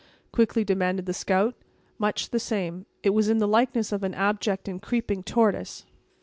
quickly demanded the scout. "Much the same. It was in the likeness of an abject and creeping tortoise."